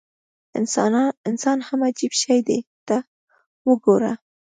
انسان هم عجیب شی دی ته وګوره.